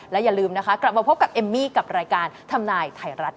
และอย่าลืมนะคะกลับมาพบกับเอมมี่กับรายการทำนายไทยรัฐ